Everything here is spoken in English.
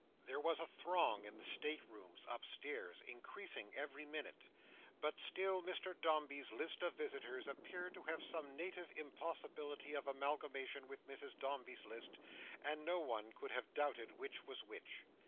There was a throng in the state rooms upstairs, increasing every minute; but still Mr Dombey's list of visitors appeared to have some native impossibility of amalgamation with Mrs Dombey's list, and no one could have doubted which was which.